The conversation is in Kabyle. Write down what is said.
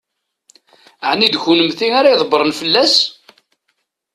Ɛni d kennemti ara ydebbṛen fell-as?